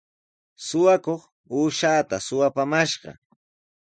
Suqakuq uushaata suqapumashqa.